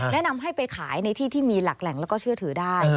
แนะนำให้ไปขายในที่ที่มีหลักแหล่งแล้วก็เชื่อถือได้